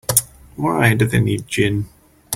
Why do they need gin?